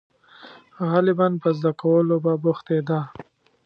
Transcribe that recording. • غالباً په زده کولو به بوختېده.